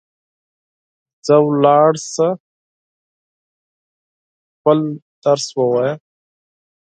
ځه ولاړ سه ، خپل درس ووایه